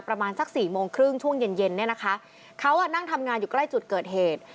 ประมาณสักสี่โมงครึ่งช่วงเย็นเย็นเนี่ยนะคะเขาอ่ะนั่งทำงานอยู่ใกล้จุดเกิดเหตุ